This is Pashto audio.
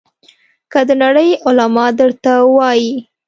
که د نړۍ علما درته وایي.